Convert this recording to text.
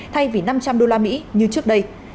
thay vì năm trăm linh usd như trước đây